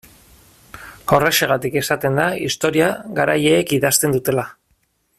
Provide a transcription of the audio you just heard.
Horrexegatik esaten da historia garaileek idazten dutela.